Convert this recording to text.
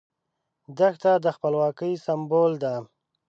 دښته د خپلواکۍ سمبول ده.